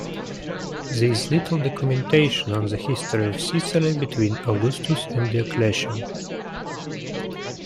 There is little documentation on the history of Sicily between Augustus and Diocletian.